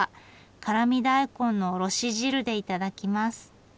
辛み大根のおろし汁で頂きます。